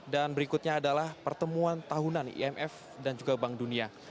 dan berikutnya adalah pertemuan tahunan imf dan juga bank dunia